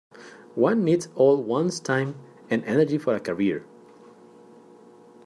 One needs all one's time and energy for a career.